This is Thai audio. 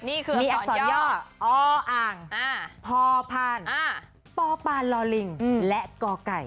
นี่คือมีออย่ออ่างพอพานปปานลอลิงและกไก่